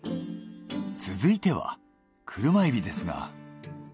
続いては車エビですが。